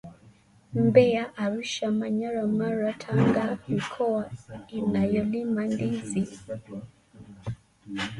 Mbeya, Arusha, Manyara, Mara, Tanga mikoa inayolima ndizi